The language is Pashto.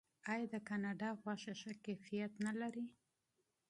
آیا د کاناډا غوښه ښه کیفیت نلري؟